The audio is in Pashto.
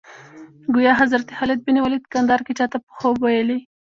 ګویا حضرت خالد بن ولید کندهار کې چا ته په خوب ویلي.